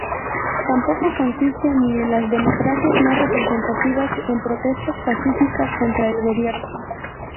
Tampoco consiste, ni en las democracias más representativas, en protestas pacíficas contra el gobierno.